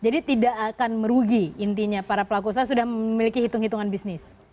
jadi itu tidak akan merugi intinya para pelaku usaha sudah memiliki hitung hitungan bisnis